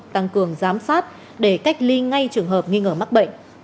tăng cường giám sát để cách ly ngay trường hợp nghi ngờ mắc bệnh